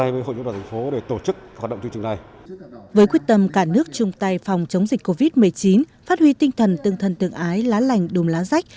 với quyết tâm cả nước chung tay phòng chống dịch covid một mươi chín phát huy tinh thần tương thân tương ái lá lành đùm lá rách